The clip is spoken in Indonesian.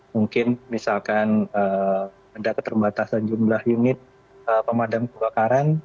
mungkin misalkan mendatang terbatasan jumlah unit pemadam kebakaran